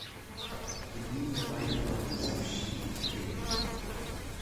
The new wife wonders if she is in danger.